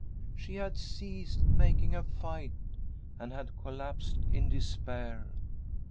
She had ceased making a fight, and had collapsed in despair.